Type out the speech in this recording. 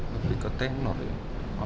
lebih ke tenor ya